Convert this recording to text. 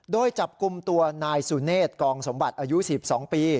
โดยจับกลุ่มตัวนายสุเนธกองสมบัติอายุ๑๒ปี